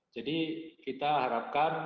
jadi kita harapkan